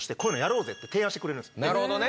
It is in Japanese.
なるほどね！